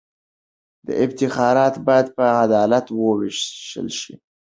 افتخارات باید په عدالت ووېشل سي.